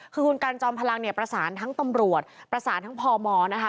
คือคุณกันจอมพลังเนี่ยประสานทั้งตำรวจประสานทั้งพมนะคะ